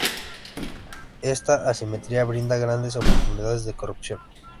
Esta asimetría brinda grandes oportunidades de corrupción.